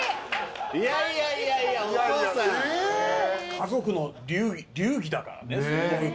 家族の流儀だからね。